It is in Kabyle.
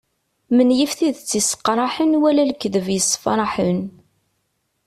Menyif tidet isseqraḥen wala lekteb issefraḥen.